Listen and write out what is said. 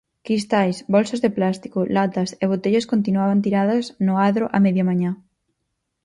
Cristais, bolsas de plástico, latas e botellas continuaban tiradas no adro á media mañá.